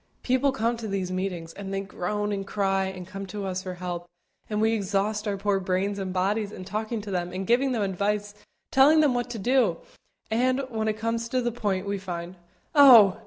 People come to these meetings, and they groan and cry and come to us for help, and we exhaust our poor brains and bodies in talking to them and giving them advice, telling them what to do, and, when it comes to the point, we find, "Oh!